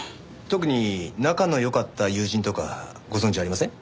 特に仲の良かった友人とかご存じありません？